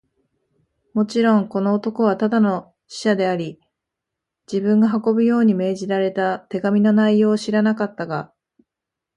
もちろん、この男はただの使者であり、自分が運ぶように命じられた手紙の内容を知らなかったが、